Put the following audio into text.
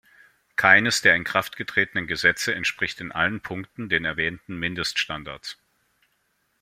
Keines der in Kraft getretenen Gesetze entspricht in allen Punkten den erwähnten Mindeststandards.